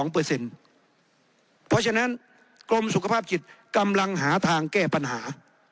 เพราะฉะนั้นกรมสุขภาพจิตกำลังหาทางแก้ปัญหา